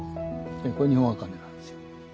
これ日本茜なんですよ。